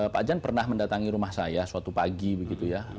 pak jan pernah mendatangi rumah saya suatu pagi begitu ya